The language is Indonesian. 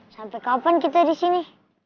sampai kapan kita disini